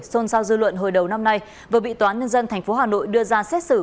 xôn xao dư luận hồi đầu năm nay vừa bị toán nhân dân tp hà nội đưa ra xét xử